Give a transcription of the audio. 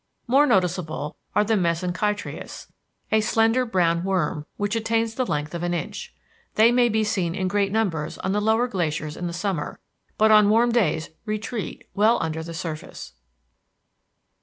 More noticeable are the Mesenchytræus, a slender brown worm, which attains the length of an inch. They may be seen in great numbers on the lower glaciers in the summer, but on warm days retreat well under the surface.